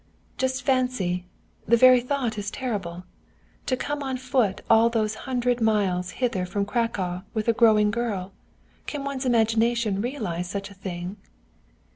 "Just fancy! The very thought is terrible! To come on foot all those hundred miles hither from Cracow with a growing girl! Can one's imagination realize such a thing?